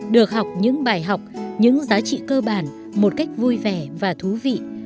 được học những bài học những giá trị cơ bản một cách vui vẻ và thú vị